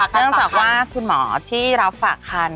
โรงพยาบาลพญาไทย๙